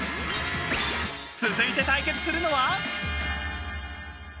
［続いて対決するのは？］